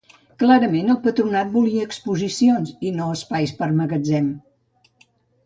Clarament, el Patronat volia exposicions i no espais per magatzem.